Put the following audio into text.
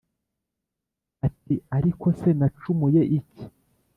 ati “ariko se nacumuye iki?